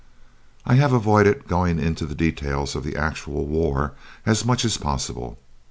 I have avoided going into the details of the actual war as much as possible.